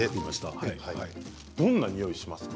どんなにおい、しますか？